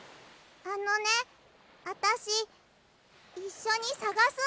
あのねあたしいっしょにさがす。